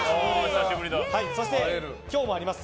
そして、今日もあります